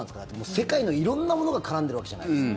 世界の色んなものが絡んでるわけじゃないですか。